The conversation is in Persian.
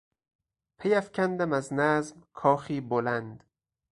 پیافکندم از نظم کاخی بلند